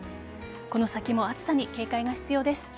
この先も暑さに警戒が必要です。